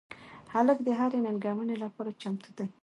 هلک د هرې ننګونې لپاره چمتو دی.